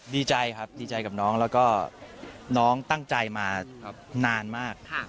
ดีใจครับดีใจกับน้องแล้วก็น้องตั้งใจมานานมาก